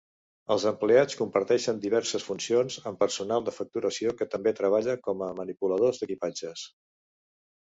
Els empleats comparteixen diverses funcions amb personal de facturació que també treballa com a manipuladors d'equipatges.